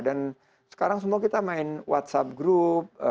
dan sekarang semua kita main whatsapp group